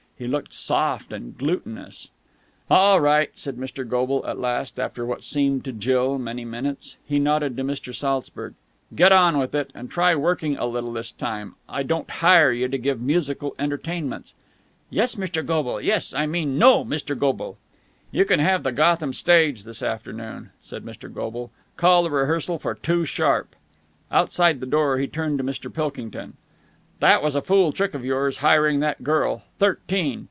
He looked soft and glutinous. "All right," said Mr. Goble at last, after what seemed to Jill many minutes. He nodded to Mr. Saltzburg. "Get on with it! And try working a little this time! I don't hire you to give musical entertainments." "Yes, Mr. Goble, yes. I mean no, Mr. Goble!" "You can have the Gotham stage this afternoon," said Mr. Goble. "Call the rehearsal for two sharp." Outside the door, he turned to Mr. Pilkington. "That was a fool trick of yours, hiring that girl. Thirteen!